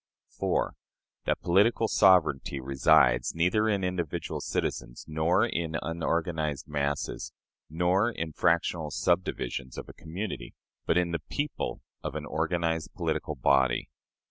4. That political sovereignty resides, neither in individual citizens, nor in unorganized masses, nor in fractional subdivisions of a community, but in the people of an organized political body.